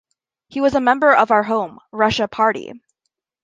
He was a member of Our Home - Russia party.